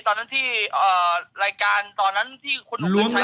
ตอนนั้นที่รายการตอนนั้นที่คุณรู้ไหม